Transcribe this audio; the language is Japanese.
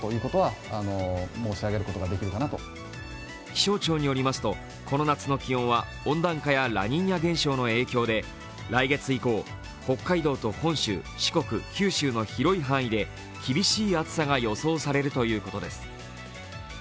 気象庁によりますと、この夏の気温は温暖化やラニーニャ現象の影響で来月以降、北海道と本州、四国、九州の広い範囲で厳しい暑さが予想されるということです。